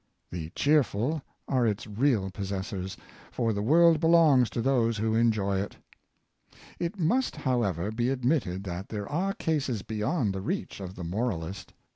The cheerful are its real pos sessors, for the world belongs to those who enjoy it. It must, however, be admitted that there are cases beyond the reach of the moralist.